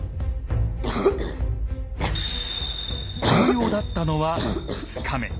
重要だったのは２日目。